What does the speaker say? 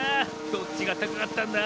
どっちがたかかったんだ？